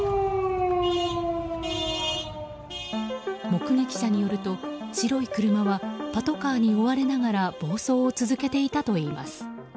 目撃者によると白い車はパトカーに追われながら暴走を続けていたといいます。